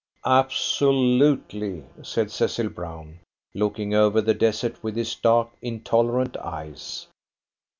"Absolutely!" said Cecil Brown, looking over the desert with his dark, intolerant eyes.